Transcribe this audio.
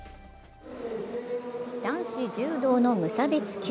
男子柔道の無差別級。